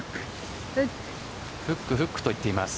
フックフックと言っています。